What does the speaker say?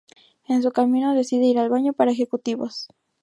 En su camino, decide ir al baño para ejecutivos.